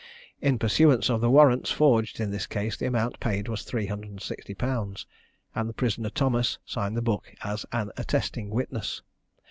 In pursuance of the warrants forged in this case the amount paid was £360, and the prisoner Thomas signed the book as an attesting witness.